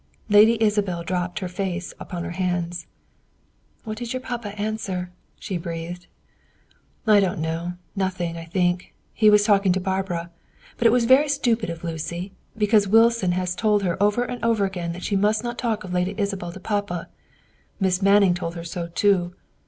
Lady Isabel dropped her face upon her hands. "What did your papa answer?" she breathed. "I don't know. Nothing, I think; he was talking to Barbara. But it was very stupid of Lucy, because Wilson has told her over and over again that she must never talk of Lady Isabel to papa. Miss Manning told her so too.